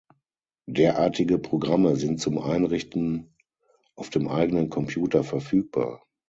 Derartige Programme sind zum Einrichten auf dem eigenen Computer verfügbar.